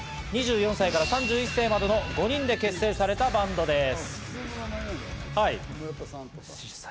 ２４歳から３１歳までの５人で結成されたバンドです。